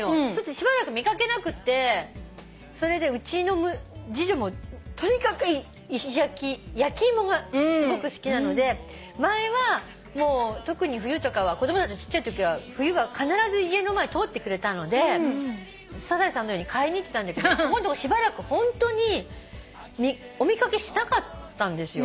しばらく見掛けなくてそれでうちの次女もとにかく焼き芋がすごく好きなので前は特に冬とかは子供たちちっちゃいときは必ず家の前通ってくれたのでサザエさんのように買いに行ってたんだけどここんとこしばらくホントにお見掛けしなかったんですよ。